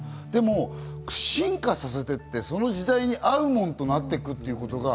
でも進化させていって、その時代に合うものとなっていくということ。